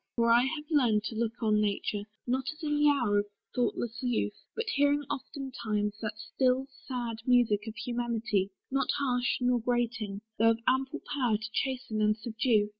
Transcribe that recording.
For I have learned To look on nature, not as in the hour Of thoughtless youth, but hearing oftentimes The still, sad music of humanity, Not harsh nor grating, though of ample power To chasten and subdue.